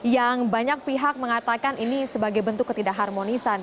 yang banyak pihak mengatakan ini sebagai bentuk ketidak harmonisan